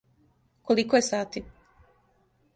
Колико је сати?